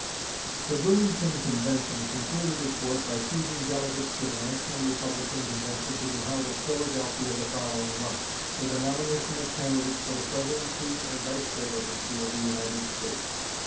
The Bloomington convention concluded its work by choosing delegates to the National Republican convention to be held at Philadelphia the following month, for the nomination of candidates for the Presidency and Vice presidency of the United States.